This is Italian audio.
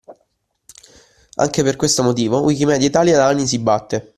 Anche per questo motivo, Wikimedia Italia da anni si batte